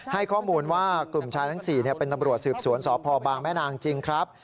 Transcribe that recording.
ให้ข้อมูลว่ากลุ่มชายทั้ง๔เป็นตำรวจสืบสวนสพบางแม่นางจริงครับ